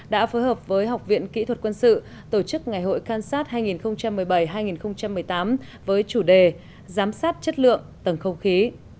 đã phối hợp với học viện kỹ thuật quân sự tổ chức ngày hội canss hai nghìn một mươi bảy hai nghìn một mươi tám với chủ đề giám sát chất lượng tầng không khí